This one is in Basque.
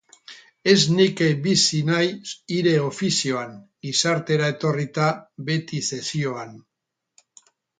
Ez nikek bizi nahi hire ofizioan, gizartera etorrita beti sesioan.